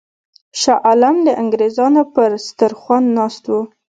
شاه عالم د انګرېزانو پر سترخوان ناست وو.